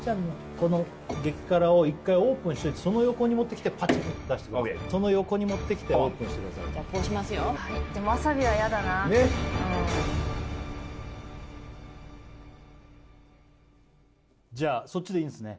この激辛を一回オープンしといてその横に持ってきてパチンと出してその横に持ってきてオープンしてくださいじゃあこうしますよでもわさびはヤダなねっうんじゃあそっちでいいんすね？